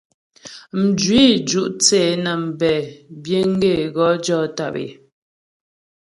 Mjwǐ ju' thə́ é nə́ mbɛ biəŋ gaə́ é wɔ jɔ tàp é.